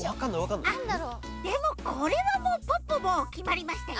あっでもこれはもうポッポもうきまりましたよ。